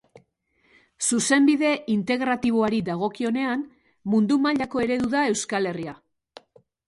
Zuzenbide Integratiboari dagokionean mundu mailako eredu da Euskal Herria.